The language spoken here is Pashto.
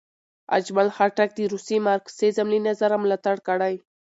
اجمل خټک د روسي مارکسیزم له نظره ملاتړ کړی.